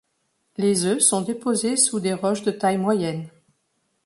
Les œufs sont déposés sous des roches de taille moyenne.